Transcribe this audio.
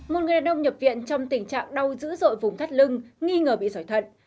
một người đàn ông nhập viện trong tình trạng đau dữ dội vùng thắt lưng nghi ngờ bị sỏi thận